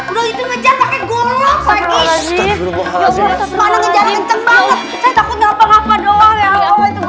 dulu makanya going elle bodi yang bener bener